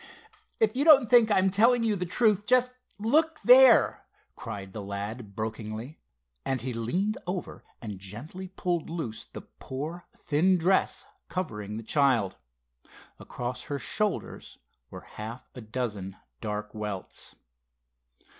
"If you don't think I'm telling you the truth, just look there!" cried the lad brokenly, and he leaned over and gently pulled loose the poor thin dress covering the child. Across her shoulders were half a dozen dark welts.